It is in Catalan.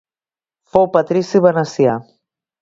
Fou patrici venecià.